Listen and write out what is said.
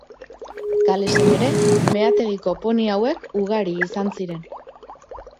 Galesen ere meategiko poni hauek ugari izan ziren.